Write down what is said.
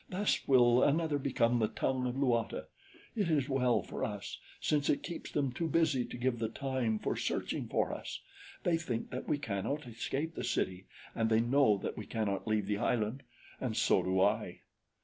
"Thus will another become the tongue of Luata. It is well for us, since it keeps them too busy to give the time for searching for us. They think that we cannot escape the city, and they know that we cannot leave the island and so do I."